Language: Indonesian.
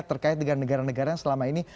terkait dengan negara negara yang selama ini